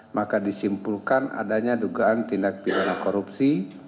maka disimpulkan adanya dugaan tindak pidana korupsi